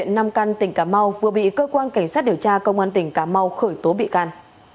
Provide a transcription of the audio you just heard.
nam căn tỉnh cà mau vừa bị cơ quan cảnh sát điều tra công an tỉnh cà mau khởi tố bị can